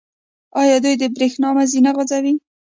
آیا دوی د بریښنا مزي نه غځوي؟